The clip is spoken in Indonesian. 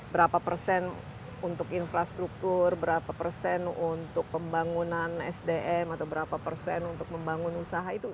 berapa persen untuk infrastruktur berapa persen untuk pembangunan sdm atau berapa persen untuk membangun usaha itu